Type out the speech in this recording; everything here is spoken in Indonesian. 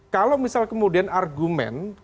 kalau misal kemudian argumen